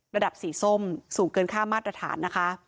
ระดับสีส้มสูงเกินค่ามาตรฐานนะคะ